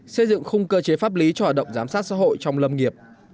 xây dựng khung cơ chế pháp lý cho hoạt động giám sát xã hội trong lâm nghiệp